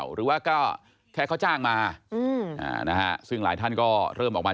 ผิดหรือเปล่าหรือว่าก็แค่เขาจ้างมาอืมอ่านะฮะซึ่งหลายท่านก็เริ่มออกมา